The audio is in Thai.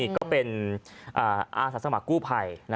ก็เป็นอาสาสมัครกู้ภัย